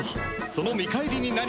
その見返りに何か。